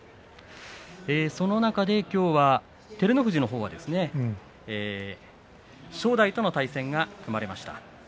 その中できょうは照ノ富士のほうは正代との対戦が組まれました。